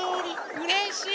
うれしい。